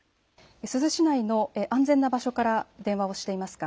珠洲市内の安全な場所から電話をしていますか。